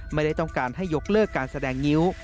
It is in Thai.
ไม่ได้ต้องการให้ยกเลิกการแสดงงิ้ว